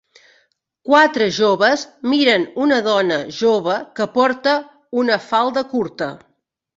Quatre joves miren una dona jove que porta una falda curta